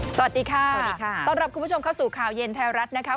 สวัสดีค่ะสวัสดีค่ะต้อนรับคุณผู้ชมเข้าสู่ข่าวเย็นไทยรัฐนะคะ